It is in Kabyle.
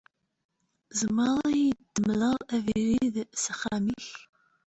Tzemreḍ ad yi-d-temleḍ abrid s axxam-ik?